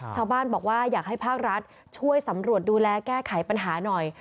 ชาวบ้านบอกว่าอยากให้ภาครัฐช่วยสำรวจดูแลแก้ไขปัญหาหน่อย